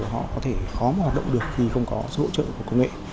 họ có thể khó mà hoạt động được khi không có sự hỗ trợ của công nghệ